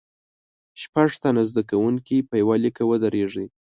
شپږ تنه زده کوونکي په یوه لیکه ودریږئ.